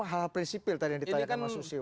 hal prinsipil tadi yang ditanyakan mas susiwan